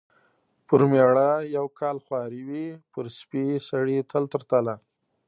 پر مېړه یو کال خواري وي، پر سپي سړي تل تر تله.